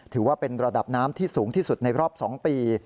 ถือว่าเป็นระดับน้ำที่สูงที่สุดในรอบ๒ปี